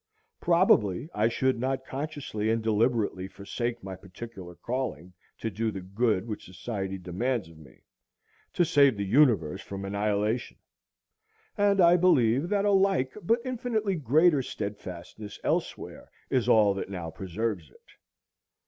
Probably I should not consciously and deliberately forsake my particular calling to do the good which society demands of me, to save the universe from annihilation; and I believe that a like but infinitely greater steadfastness elsewhere is all that now preserves it.